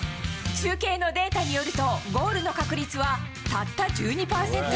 中継のデータによると、ゴールの確率はたった１２％。